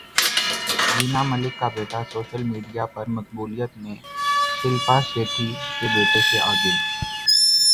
وینا ملک کا بیٹا social media پر مقبولیت میں شلپا شیٹھی کے بیٹے سے آگے